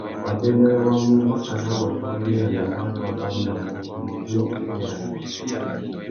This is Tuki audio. Wabêbêrê wa mu, makana watu wa béranamú ari wa barumanú, tumu tunu i béranamú.